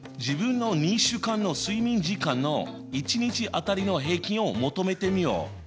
自分の２週間の睡眠時間の１日当たりの平均を求めてみよう！